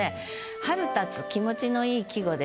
「春立つ」気持ちの良い季語です。